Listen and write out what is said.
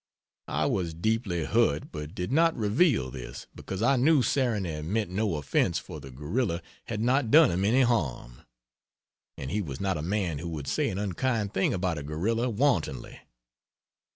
I was deeply hurt but did not reveal this, because I knew Saxony meant no offense for the gorilla had not done him any harm, and he was not a man who would say an unkind thing about a gorilla wantonly.